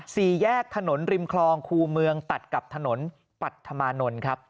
สี่แยกถนนริมคลองคู่เมืองตัดกับถนนปัธมานนท์ครับ